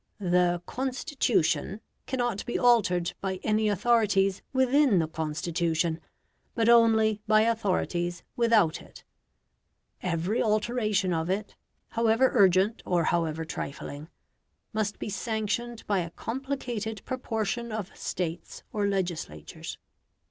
The "Constitution" cannot be altered by any authorities within the Constitution, but only by authorities without it. Every alteration of it, however urgent or however trifling, must be sanctioned by a complicated proportion of States or legislatures.